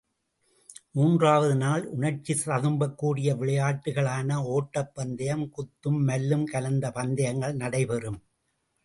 மூன்றாவது நாள் உணர்ச்சி ததும்பக்கூடிய விளையாட்டுக்களான ஒட்டப் பந்தயம், குத்தும் மல்லும் கலந்த பந்தயங்கள் நடைபெறும்.